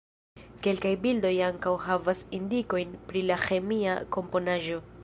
Kelkaj bildoj ankaŭ havas indikojn pri la ĥemia komponaĵo.